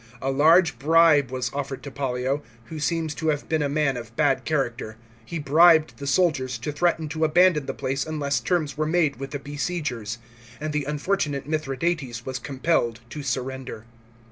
A large bribe was offered to Pollio, who seems to have been a man of bad character ; he bribed the soldiers to threaten to abandon the place unless terms were made with the besiegers; and the unfortunate Mithradates was compelled to surrender.